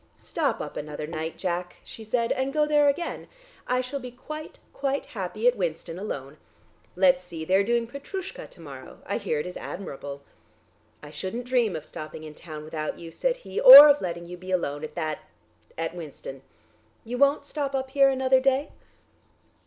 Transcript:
"Stop up another night, Jack," she said, "and go there again. I shall be quite, quite happy at Winston alone. Let's see; they are doing 'Petroushka' to morrow; I hear it is admirable." "I shouldn't dream of stopping in town without you," said he, "or of letting you be alone at that at Winston. You won't stop up here another day?"